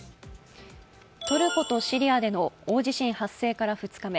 トルコとシリアでの大地震発生から２日目。